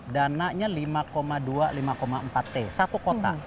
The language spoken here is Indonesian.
dananya lima dua lima empat t satu kota